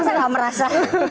masa gak merasa